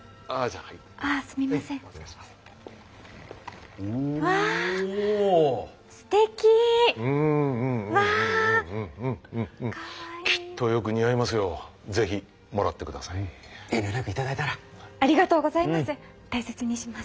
ありがとうございます。